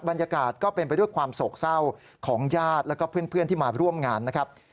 บรรยากาศก็เป็นไปด้วยความโศกเศร้าของญาติแล้วก็เพื่อนที่มาร่วมงานนะครับ